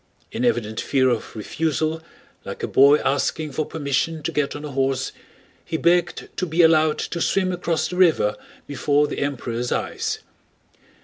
In evident fear of refusal, like a boy asking for permission to get on a horse, he begged to be allowed to swim across the river before the Emperor's eyes.